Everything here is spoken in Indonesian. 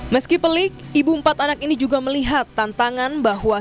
meski pelik ibu empat anak ini juga melihat tantangan bahwa